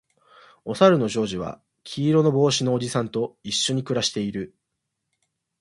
おさるのジョージは黄色の帽子のおじさんと一緒に暮らしている